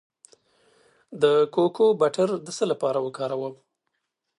د کوکو بټر د څه لپاره وکاروم؟